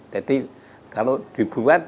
jadi kalau dibuat